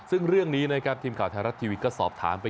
ซึ่งเรื่องนี้ทีมข่าวธรรมดาทีวิตก็สอบถามไป